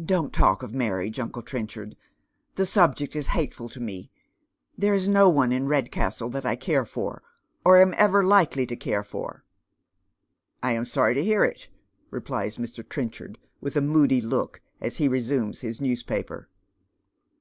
"Don't talk of marriage, uncle Trenchard. The subject is hateful to me. There is no one in Eedcastle that I care for, or am ever likely to care for." " I am Sony to bear it," replies Mr. Trenchard, with a moody look, as he resumes his newspaper.